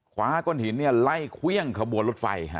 ฟ้าก้นหินเนี่ยไล่เครื่องขบวนรถไฟฮะ